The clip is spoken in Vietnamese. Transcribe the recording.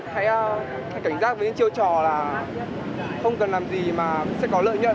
hãy cảnh giác với những chiêu trò là không cần làm gì mà sẽ có lợi nhận